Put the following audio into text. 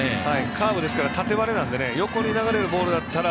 カーブですから縦割りなので横に流れるボールなら。